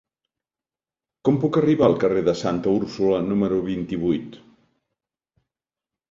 Com puc arribar al carrer de Santa Úrsula número vint-i-vuit?